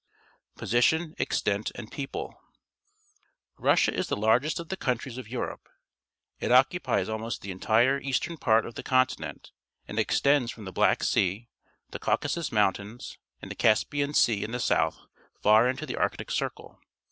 Position, Extent, and People. — Russia is the largest of the countries of Europe. It occupies almost the entire eastern part of the continent and extends from the Black Sea, the Caucasus Mountains, and the Caspian Sea in the south far into the Arctic Circle.